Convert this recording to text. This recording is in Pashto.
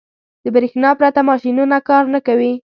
• د برېښنا پرته ماشينونه کار نه کوي.